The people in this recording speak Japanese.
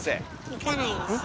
いかないですよ。